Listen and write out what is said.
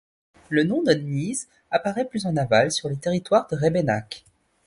Le nom de Neez apparaît plus en aval, sur le territoire de Rébénacq.